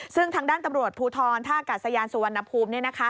ซึ่งทางด้านตำรวจภูทรท่ากาศยานสุวรรณภูมิ